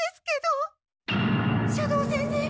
斜堂先生